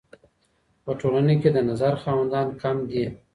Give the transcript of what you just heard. په ټولنه کي د نظر خاوندان کم دي.